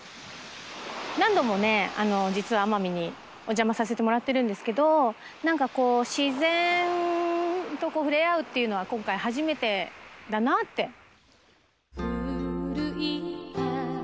何度も実は奄美にお邪魔させてもらってるんですけど何かこう自然と触れ合うっていうのは今回初めてだなって。